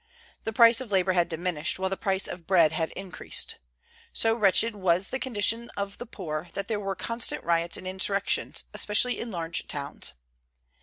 The price of labor had diminished, while the price of bread had increased. So wretched was the condition of the poor that there were constant riots and insurrections, especially in large towns.